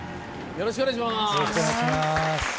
よろしくお願いします。